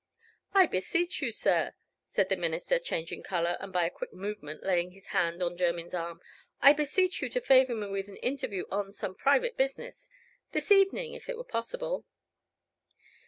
"I beseech you, sir," said the minister, changing color, and by a quick movement laying his hand on Jermyn's arm "I beseech you to favor me with an interview on some private business this evening, if it were possible."